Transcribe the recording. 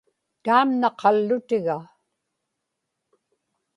taamna qallutiga